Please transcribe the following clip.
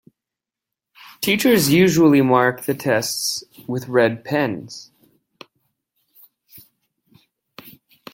Teachers usually mark the tests with red pens.